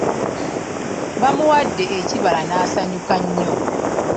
Bamuwadde ekibala n'asanyuka nnyo.